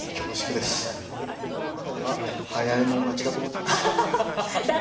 でも心の中では早いもん勝ちだと思ってます。